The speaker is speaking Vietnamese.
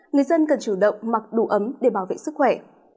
người dân cần chủ động mặc đủ ấm để bảo vệ sức khỏe